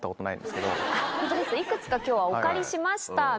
いくつか今日はお借りしました